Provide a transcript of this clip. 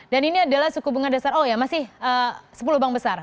dan ini adalah suku bunga dasar oh ya masih sepuluh bank besar